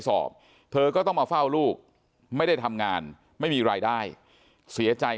สอบเธอก็ต้องมาเฝ้าลูกไม่ได้ทำงานไม่มีรายได้เสียใจ